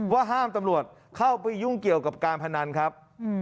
ว่าห้ามตำรวจเข้าไปยุ่งเกี่ยวกับการพนันครับ